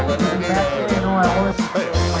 บาริโฮะหัวไทยไง